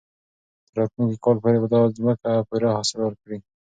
تر راتلونکي کال پورې به دا مځکه پوره حاصل ورکړي.